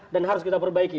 dan harus kita perbaiki